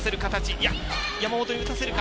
いや、山本に打たせるか。